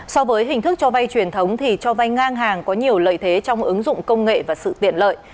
so với hình thức cho vay truyền thống thì cho vay ngang hàng có nhiều lợi thế trong ứng dụng công nghệ và sự tiện lợi